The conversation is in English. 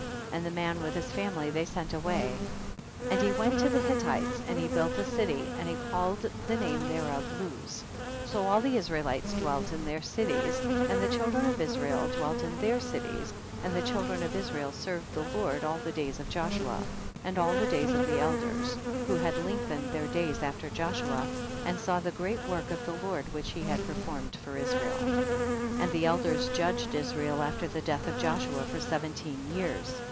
1 1 . And the man with his family they sent away, and he went to the Hittites and he built a city, and he called the name thereof Luz, so all the Israelites dwelt in their cities, and the children of Israel dwelt in their cities, and the children of Is rael served the Lord all the days of Joshua, and all the days of the elders, who had lengthened their days after Joshua, and saw the great work of the Lord, which he had performed for Israel. 12. And the elders judged Israel after the death of Joshua for seven teen years.